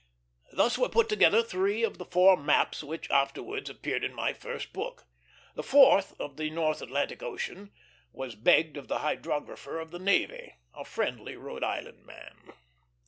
Thus were put together three of the four maps which afterwards appeared in my first book. The fourth, of the North Atlantic Ocean, was begged of the hydrographer of the navy; a friendly Rhode Island man.